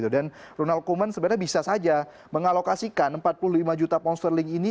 dan ronald koeman sebenarnya bisa saja mengalokasikan empat puluh lima juta pound sterling ini